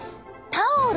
タオル？